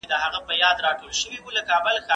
د شفا هیله له خدای ولرئ.